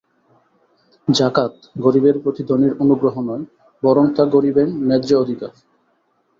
জাকাত গরিবের প্রতি ধনীর অনুগ্রহ নয়, বরং তা গরিবের ন্যায্য অধিকার।